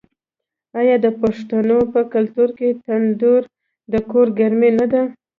آیا د پښتنو په کلتور کې تندور د کور ګرمي نه ده؟